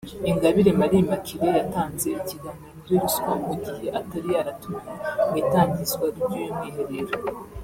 Ingabire Marie Immaculée yatanze ikiganiro kuri ruswa mu gihe atari yaratumiwe mu itangizwa ry’uyu mwiherero